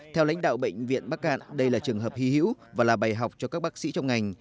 theo lãnh đạo bệnh viện bắc cạn đây là trường hợp hy hữu và là bài học cho các bác sĩ trong ngành